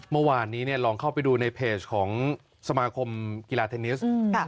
เมื่อวานนี้ลองเข้าไปดูในเพจของสมาคมกีฬาเทนนิส